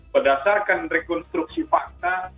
berdasarkan rekonstruksi fakta